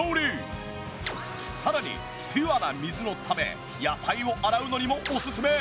さらにピュアな水のため野菜を洗うのにもオススメ！